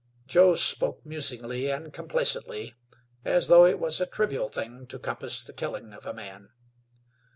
Joe spoke musingly and complacently as though it was a trivial thing to compass the killing of a man.